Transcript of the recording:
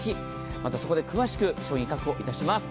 またそこで詳しく商品確保いたします。